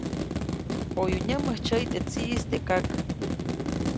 ʼOyu nyämäjtsyäyi teʼ tsiʼis teʼ kak.